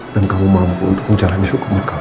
dan kamu mampu untuk menjalani hukumnya kamu